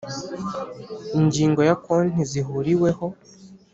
Ingingo ya Konti zihuriweho